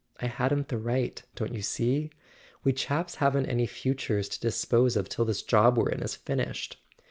I hadn't the right, don't you see ? We chaps haven't any futures to dis¬ pose of till this job we're in is finished.